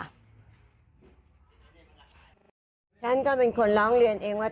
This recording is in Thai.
ฉันก็เป็นคนร้องเรียนเองว่า